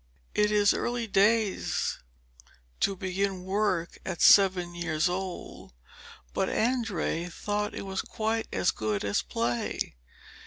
It is early days to begin work at seven years old, but Andrea thought it was quite as good as play.